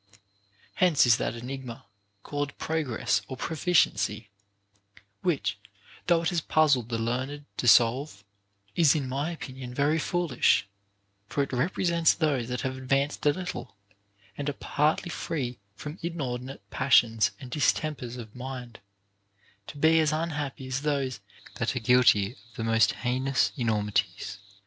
Hence is that enigma, called progress or proficiency, which, though it has puzzled the learned to solve, is in my opinion very foolish ; for it represents those that have advanced a little, and are partly free from inordinate passions and distempers of mind, to be as unhappy as those that are guilty of the most hei nous enormities.